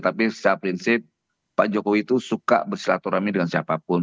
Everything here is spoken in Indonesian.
tapi secara prinsip pak jokowi itu suka bersilaturahmi dengan siapapun